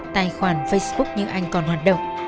tài khoản facebook như anh còn hoạt động